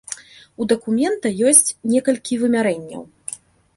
У дакумента ёсць некалькі вымярэнняў.